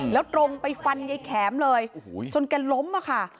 แล้วตรงไปฟันไยแขมเลยโอ้โหจนกันล้มอ่ะค่ะ